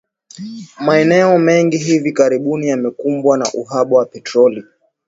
Maeneo mengi hivi karibuni yamekumbwa na uhaba wa petroli